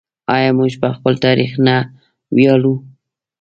آیا موږ په خپل تاریخ نه ویاړو؟